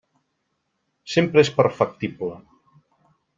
Sempre és perfectible.